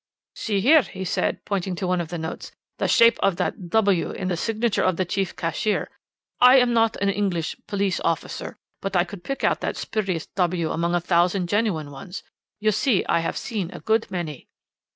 "'See here,' he said, pointing to one of the notes, 'the shape of that "w" in the signature of the chief cashier. I am not an English police officer, but I could pick out that spurious "w" among a thousand genuine ones. You see, I have seen a good many.'